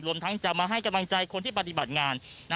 ทั้งจะมาให้กำลังใจคนที่ปฏิบัติงาน